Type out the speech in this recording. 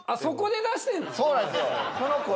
そこで出してんの？